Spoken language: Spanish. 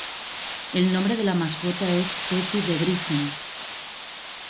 El nombre de la mascota es Petey the Griffin.